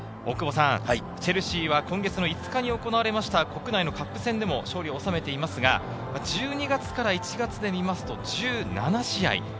チェルシーは今月の５日に行われました国内のカップ戦でも勝利を収めていますが、１２月から１月で見ますと１７試合。